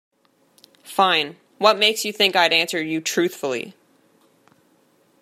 Fine, what makes you think I'd answer you truthfully?